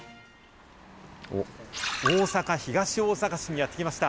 大阪・東大阪市にやって来ました。